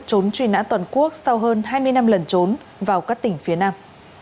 trốn truy nã toàn quốc sau hơn hai mươi năm lần trốn vào các tỉnh phía nam